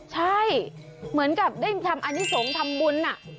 ใช่เหมือนกับได้ทำอนิสงฆ์ทำบุญ